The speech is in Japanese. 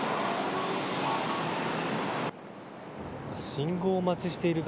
信号待ちしている方